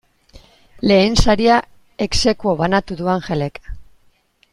Lehen saria ex aequo banatu du Angelek.